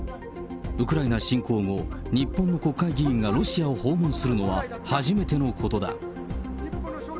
ウクライナ侵攻後、日本の国会議員がロシアを訪問するのは初めてのことだ。